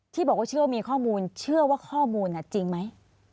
ที่บอกว่าเชื่อว่ามีข้อมูลเชื่อว่าข้อมูลจริงไหม